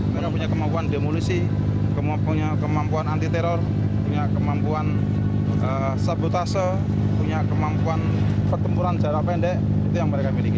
mereka punya kemampuan demolisi punya kemampuan anti teror punya kemampuan sabotase punya kemampuan pertempuran jarak pendek itu yang mereka miliki